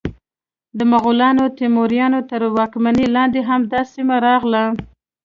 د مغولانو، تیموریانو تر واکمنۍ لاندې هم دا سیمه راغله.